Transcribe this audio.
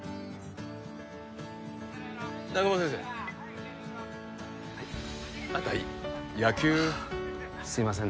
南雲先生はいあんた野球すいません